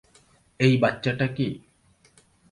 এই বাচ্চাটা কী?